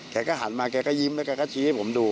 แกก็หันมาแกก็ยิ้มแล้วแกก็ชี้ให้ผมดู